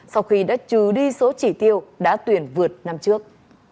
sau khi đã trừ đi số chỉ tiêu đã tuyển vượt năm trước